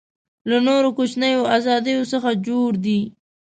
له نورو کوچنیو آزادیو څخه جوړ دی.